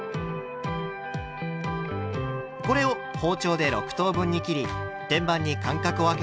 これを包丁で６等分に切り天板に間隔をあけて並べます。